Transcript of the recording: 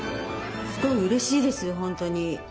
すごいうれしいです本当に。